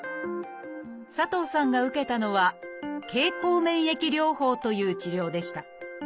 佐藤さんが受けたのは「経口免疫療法」という治療でした。